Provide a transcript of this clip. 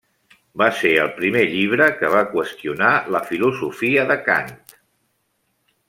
Va ser el primer llibre que va qüestionar la filosofia de Kant.